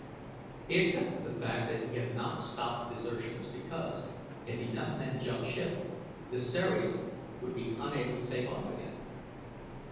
He accepted the fact that he had not stopped the desertions because, if enough men jumped ship, the Ceres would be unable to take off again.